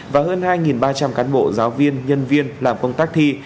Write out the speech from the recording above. và hơn hai ba trăm linh cán bộ giáo viên nhân viên làm công tác thi